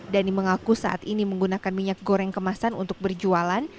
dhani mengaku saat ini menggunakan minyak goreng kemasan untuk berjualan